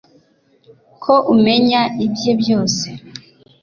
ko umenya ibye byose